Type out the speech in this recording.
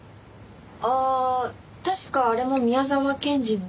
ああ確かあれも宮沢賢治の。